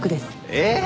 えっ？